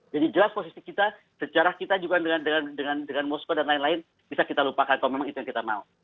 jadi jelas posisi kita sejarah kita juga dengan moskow dan lain lain bisa kita lupakan kalau memang itu yang kita mau